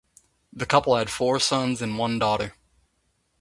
The couple had four sons and one daughter.